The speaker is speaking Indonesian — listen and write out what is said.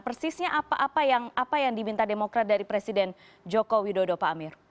persisnya apa yang diminta demokrat dari presiden joko widodo pak amir